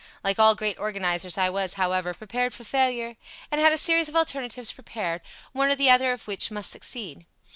Like all great organizers I was, however, prepared for failure, and had a series of alternatives prepared, one or the other of which must succeed.